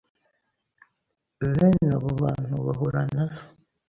bene abo bantu bahura nazo,